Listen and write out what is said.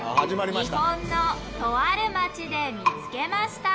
日本のとある街で見つけました。